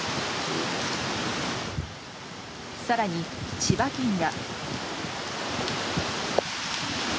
更に千葉県や。